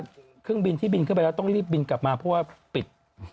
เครื่องบินที่บินขึ้นไปแล้วต้องรีบบินกลับมาเพราะว่าปิด